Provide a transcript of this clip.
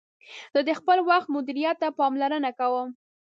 زه د خپل وخت مدیریت ته پاملرنه کوم.